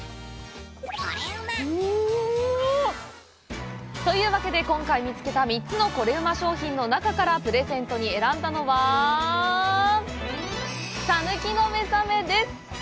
うんま！というわけで、今回見つけた３つのコレうま商品の中からプレゼントに選んだのは「さぬきのめざめ」です！